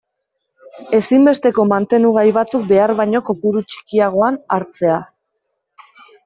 Ezinbesteko mantenugai batzuk behar baino kopuru txikiagoan hartzea.